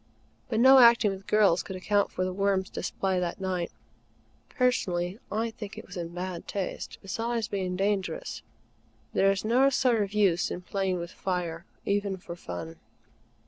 But no acting with girls could account for The Worm's display that night. Personally, I think it was in bad taste. Besides being dangerous. There is no sort of use in playing with fire, even for fun.